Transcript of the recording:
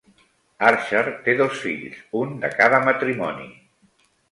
Archer té dos fills, un de cada matrimoni.